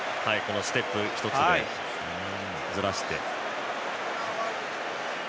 ステップ１つでずらして。